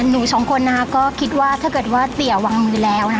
หนูสองคนก็คิดว่าถ้าเตี๋ยววางมือแล้ว